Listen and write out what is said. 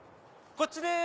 こっちです！